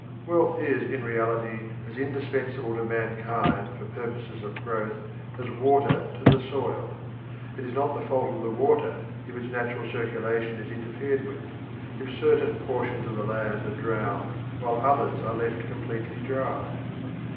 Wealth is in reality as indispensable to mankind for purposes of growth as water to the soil. It is not the fault of the water if its natural circulation is interfered with, if certain portions of the land are drowned while others are left completely dry.